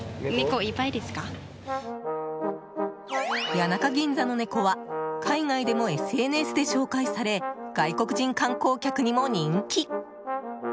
谷中銀座の猫は海外でもＳＮＳで紹介され外国人観光客にも人気。